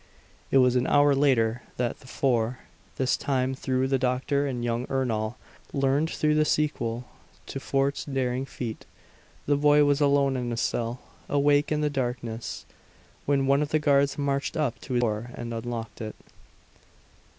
It was an hour later that the four, this time through the doctor and young Ernol, learned the sequel to Fort's daring feat. The boy was alone in his cell, awake in the darkness, when one of the guards marched up to his door and unlocked it.